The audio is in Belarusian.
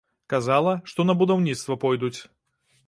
Казала, што на будаўніцтва пойдуць.